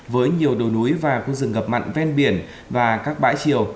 với nhiều đồi núi và khu rừng ngập mặn ven biển và các bãi chiều